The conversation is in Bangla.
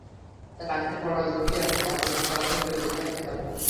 তাই পানিতে পড়ার ঝুঁকি আছে—এমন কাজ করা থেকে বিরত থাকতে হবে।